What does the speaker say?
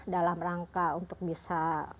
dalam rangka untuk bisa